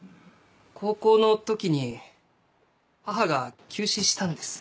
高校の時に母が急死したんです。